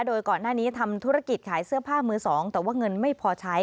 โดยก่อนหน้านี้ทำธุรกิจขายเสื้อผ้ามือสองแต่ว่าเงินไม่พอใช้